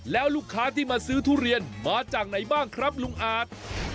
แล้วลูกค้าที่มาซื้อทุเรียนมาจากไหนบ้างครับลุงอาจ